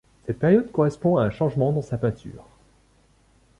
Cette période correspond à un changement dans sa peinture.